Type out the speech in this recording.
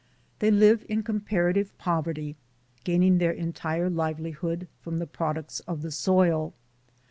They live in comparative poverty, gaining their entire livelihood from the products of the soil.